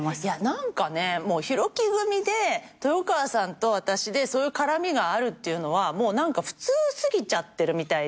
何かね廣木組で豊川さんと私でそういう絡みがあるっていうのは普通過ぎちゃってるみたいで。